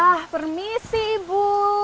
wah permisi ibu